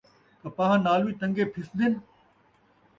کپاہ نال وی تن٘گے پھسدِن ؟